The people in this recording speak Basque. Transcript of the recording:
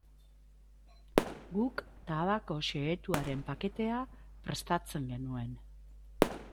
Guk tabako xehatuaren paketea prestatzen genuen.